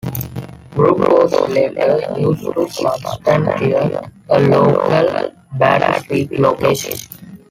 Brooke was later used to substantiate a local battlefield location.